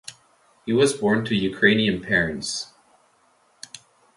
He was born to Ukrainian parents.